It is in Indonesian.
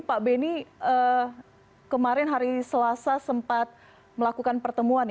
pak beni kemarin hari selasa sempat melakukan pertemuan